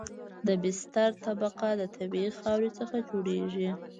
د بستر طبقه د طبیعي خاورې څخه جوړیږي